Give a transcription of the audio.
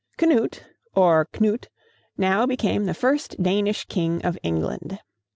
Canute, or "Knut," now became the first Danish king of England.